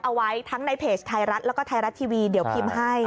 เอาไว้ทั้งในเพจไทยรัฐแล้วก็ไทยรัฐทีวีเดี๋ยวพิมพ์ให้